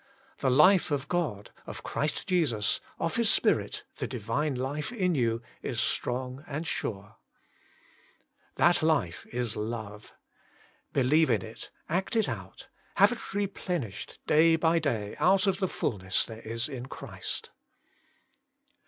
The life of God, of Christ Jesus, of His Spirit, the Divine life in you, is strong and sure. 2. That life is love. Believe in it. Act it out. Have it replenished day by day out of the fulness there is in Christ.